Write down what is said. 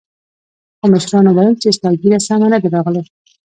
خو مشرانو ويل چې ستا ږيره سمه نه ده راغلې.